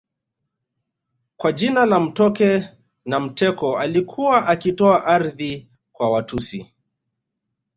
Kwa jina la Mtoke Na mteko alikuwa akitoa ardhi kwa Watusi